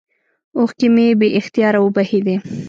اوښكې مې بې اختياره وبهېدې.